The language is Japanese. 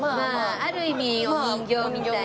ある意味お人形みたいな。